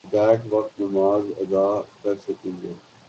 back وقت نماز ادا کر سکیں گے